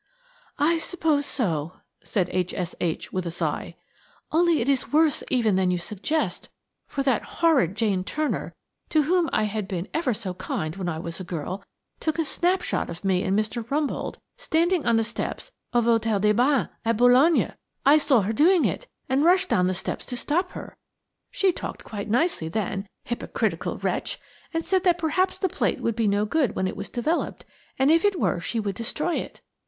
"I suppose so," said H. S. H. with a sigh. "Only it is worse even than you suggest, for that horrid Jane Turner, to whom I had been ever so kind when I was a girl, took a snapshot of me and Mr. Rumboldt standing on the steps of Hôtel des Bains at Boulogne. I saw her doing it and rushed down the steps to stop her. She talked quite nicely then–hypocritical wretch!–and said that perhaps the plate would be no good when it was developed, and if it were she would destroy it.